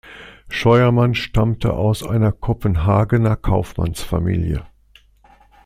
Scheuermann stammte aus einer Kopenhagener Kaufmannsfamilie.